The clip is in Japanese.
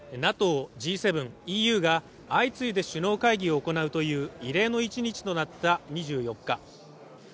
ＮＡＴＯ、Ｇ７、ＥＵが相次いで首脳会議を行うという異例の１日となった２４日